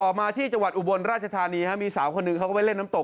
มาที่จังหวัดอุบลราชธานีมีสาวคนหนึ่งเขาก็ไปเล่นน้ำตก